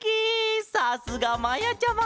さすがまやちゃま！